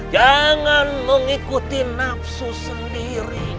jangan mengikuti nafsu sendiri